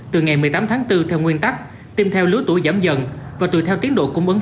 từ ngày một mươi tám tháng bốn theo nguyên tắc tiêm theo lứa tuổi giảm dần